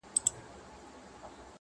ورځي د وريځي يارانه مــاتـه كـړه؛